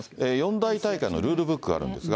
四大大会のルールブックがあるんですが。